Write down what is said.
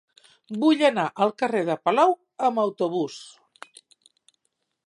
Vull anar al carrer de Palou amb autobús.